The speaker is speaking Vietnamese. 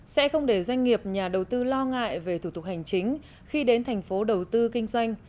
sẽ không để doanh nghiệp nhà đầu tư lo ngại về thủ tục hành chính khi đến thành phố đầu tư kinh doanh